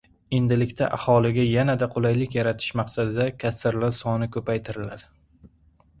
Endilikda aholiga yanada qulaylik yaratish maqsadida kassirlar soni koʻpaytiriladi.